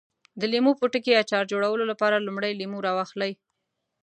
د لیمو پوټکي اچار جوړولو لپاره لومړی لیمو راواخلئ.